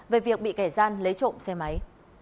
về việc bị kẻ gian lấy trộm xe máy